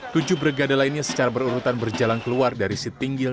tujuh brega lainnya secara berurutan berjalan keluar dari si pinggil